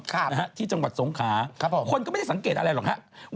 ค่ะนะฮะที่จังหวัดสงขาครับผมคนก็ไม่ได้สังเกตอะไรหรอกครับ